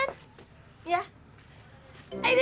aduh aduh aduh